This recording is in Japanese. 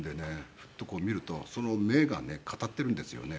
フッとこう見るとその目がね語っているんですよね。